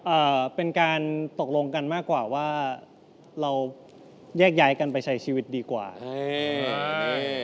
เอ่อเป็นการตกลงกันมากกว่าว่าเราแยกย้ายกันไปใช้ชีวิตดีกว่าเออ